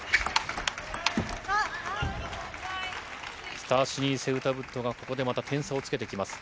スタシニ・セウタブットが、ここでまた点差をつけてきます。